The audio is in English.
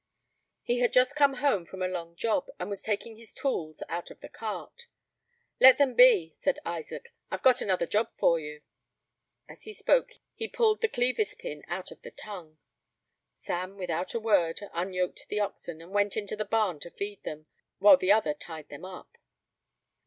He had just come home from a long job, and was taking his tools out of the cart. "Let them be," said Isaac; "I've got another job for you:" as he spoke he pulled the clevis pin out of the tongue. Sam, without a word, unyoked the oxen, and went into the barn to feed them, while the other tied them up.